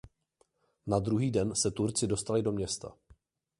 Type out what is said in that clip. Na druhý den se Turci dostali do města.